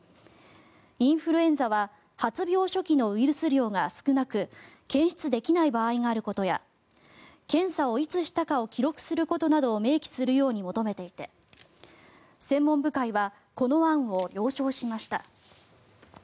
インフルエンザは発病初期のウイルス量が少なく検出できない場合があることや検査をいつしたかを記録することなどを明記するように求めていて専門部会はこの案を了承しました。